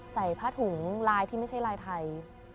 ใส่ผ้าถุงลายที่ไม่ใช่ลายไทย